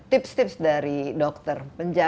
tips tips dari dokter